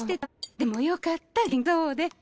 でもよかった元気そうで。